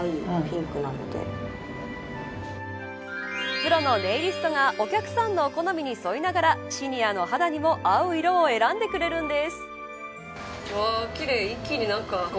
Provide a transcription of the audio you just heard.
プロのネイリストがお客さんの好みに沿いながらシニアの肌にも合う色を選んでくれるんです。